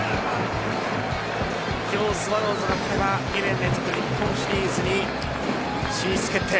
今日スワローズが勝てば２年連続日本シリーズに進出決定。